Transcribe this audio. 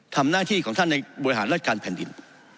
ทำหน้าที่ของท่านในบริหารราชการแผ่นดิน